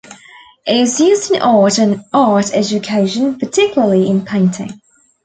It is used in art and art education, particularly in painting.